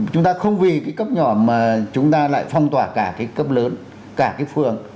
chúng ta không vì cái cấp nhỏ mà chúng ta lại phong tỏa cả cái cấp lớn cả cái phường